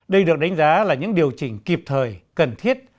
đây được đánh giá là những điều chỉnh kịp thời cần thiết